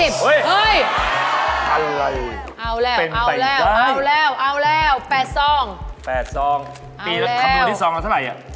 แพงกว่าต้องแพงกว่า